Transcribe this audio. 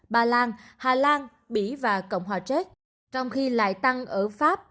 bà lan hà lan mỹ và cộng hòa czech trong khi lại tăng ở pháp